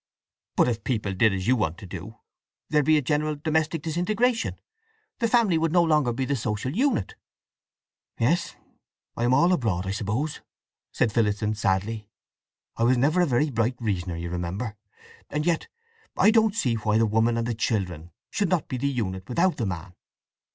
"But if people did as you want to do, there'd be a general domestic disintegration. The family would no longer be the social unit." "Yes—I am all abroad, I suppose!" said Phillotson sadly. "I was never a very bright reasoner, you remember. … And yet, I don't see why the woman and the children should not be the unit without the man."